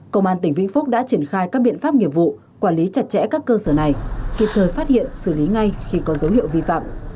công an tỉnh vĩnh phúc đã triển khai các biện pháp nghiệp vụ quản lý chặt chẽ các cơ sở này kịp thời phát hiện xử lý ngay khi có dấu hiệu vi phạm